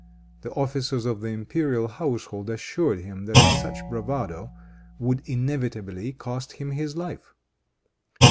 The officers of the imperial household assured him that such bravado would inevitably cost him his life.